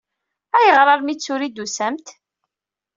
Ayɣer armi d tura i d-tusamt?